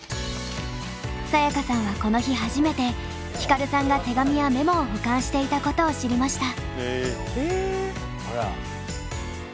サヤカさんはこの日初めてヒカルさんが手紙やメモを保管していたことを知りました。